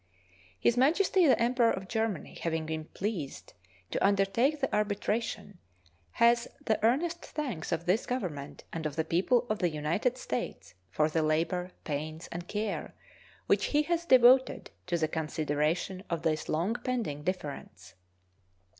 His Majesty the Emperor of Germany, having been pleased to undertake the arbitration, has the earnest thanks of this Government and of the people of the United States for the labor, pains, and care which he has devoted to the consideration of this long pending difference.